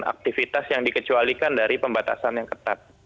aktivitas yang dikecualikan dari pembatasan yang ketat